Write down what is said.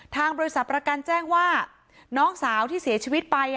ทางบริษัทประกันแจ้งว่าน้องสาวที่เสียชีวิตไป